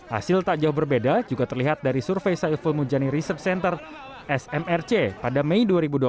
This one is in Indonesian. hasil tak jauh berbeda juga terlihat dari survei saiful mujani research center smrc pada mei dua ribu dua puluh